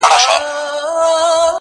نو دا خو په دې دلالت کوي